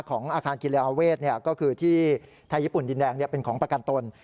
ของอาคารกีฬาอาเวศก็คือที่ไทยญี่ปุ่นดินแดงเป็นของประกันตน